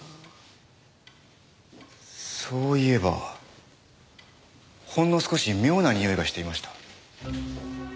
そういえばほんの少し妙なにおいがしていました。